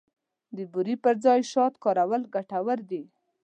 د بوري پر ځای شات کارول ګټور دي.